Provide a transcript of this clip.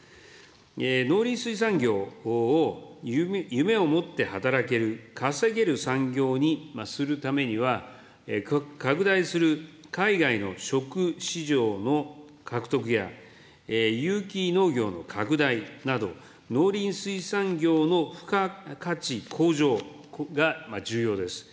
農林水産業を夢を持って働ける稼げる産業にするためには、拡大する海外の食市場の獲得や、有機農業の拡大など、農林水産業の付加価値向上が重要です。